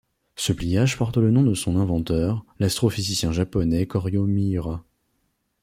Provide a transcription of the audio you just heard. Ce pliage porte le nom de son inventeur, l'astrophysicien japonais Koryo Miura.